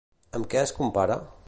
Amb què es compara?